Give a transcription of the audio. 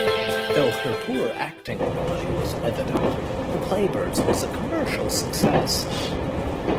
Although her poor acting ability was evident, "The Playbirds" was a commercial success.